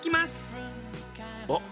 あっ！